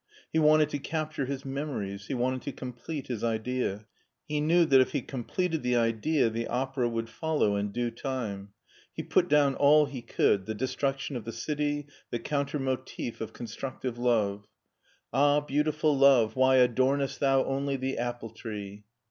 He wanted to capture his memories ; he wanted to complete his idea ; he knew that if he com pleted the idea the opera would follow in due time. He put down all he could — the destruction of the city, the corniter fnotif of constructive love :« Ah, beautiful love why adornest thou only the apple tree?